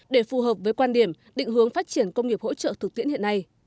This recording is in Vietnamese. để phù hợp với quan điểm định hướng phát triển công nghiệp hỗ trợ thực tiễn hiện nay